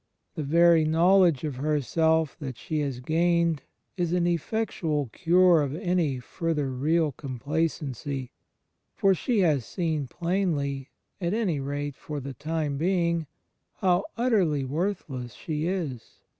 The very knowledge of herself that she has gained is an effectual cure of any further real complacency; for she has seen plainly, at any rate for the time being, how utterly worthless she is.